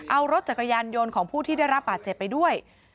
เอารถจักรยานยนต์ของผู้ที่ได้รับบาดเจ็บไปด้วย